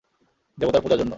দেবতার পূজার জন্য।